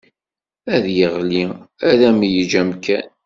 Ad yeɣli, ad m-yeǧǧ amkan.